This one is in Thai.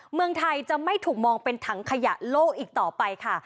เมืองไทยจะไม่ถูกมองเป็นถังขยะโลกอีกต่อไปค่ะ